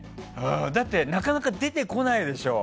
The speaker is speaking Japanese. だって、なかなか出てこないでしょ。